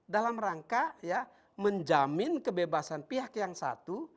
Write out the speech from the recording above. dalam rangka ya menjamin kebebasan pihak yang satu